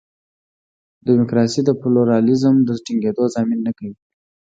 ډیموکراسي د پلورالېزم د ټینګېدو ضامن نه کوي.